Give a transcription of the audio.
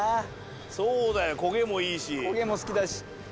そうだよ焦げもいいし。